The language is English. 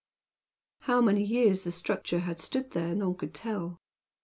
How many years the structure had stood there none could tell.